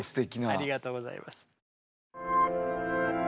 ありがとうございます。